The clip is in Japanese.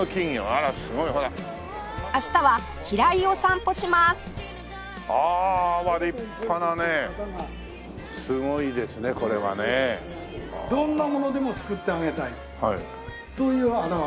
あら立派なねすごいですねこれはね。どんなものでも救ってあげたいそういう表れです。